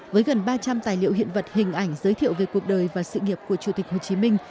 với gần ba trăm linh tài liệu hiện vật hình ảnh giới thiệu về cuộc đời và sự nghiệp của chủ tịch hồ chí minh